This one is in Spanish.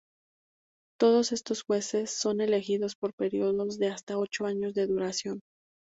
Todos estos jueces son elegidos por períodos de hasta ocho años de duración.